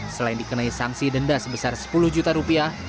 selain dikenai sanksi denda sebesar sepuluh juta rupiah